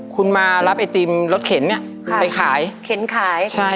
คุณมารับไอติมรถเข็นเนี่ยไปขายเข็นขายใช่